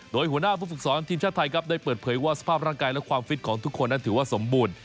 โดยหัวหน้าผู้ฝึกสอนทีมชาติไทยครับได้เปิดเผยว่าสภาพร่างกายและความฟิตของทุกคนนั้นถือว่าสมบูรณ์